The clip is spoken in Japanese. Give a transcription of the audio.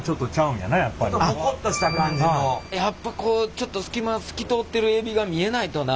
やっぱこうちょっと隙間透き通ってるエビが見えないと駄目やなあ。